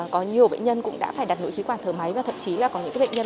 có nhiều bệnh nhân cũng đã phải đặt nội khí quản thở máy và thậm chí là có những bệnh nhân